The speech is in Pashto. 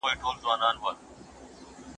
موږ د خپلو ماسومانو د راتلونکي لپاره اندېښمن يو.